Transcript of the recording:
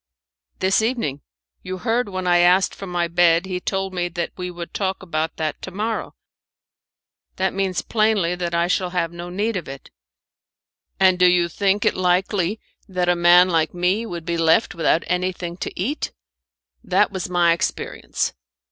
"This evening. You heard when I asked for my bed he told me that we would talk about that to morrow. That means plainly that I shall have no need of it. And do you think it likely that a man like me would be left without anything to eat?" "That was my experience."